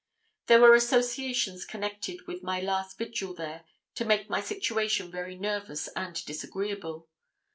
There were associations connected with my last vigil there to make my situation very nervous and disagreeable.